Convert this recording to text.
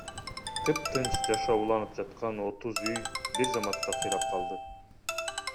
Тыптынч жашоо уланып жаткан отуз үй бир заматта кыйрап калды.